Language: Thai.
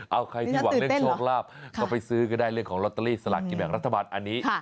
เอาใครที่หวังเรื่องโชคลาภก็ไปซื้อก็ได้เรื่องของลอตเตอรี่สลากกินแบ่งรัฐบาลอันนี้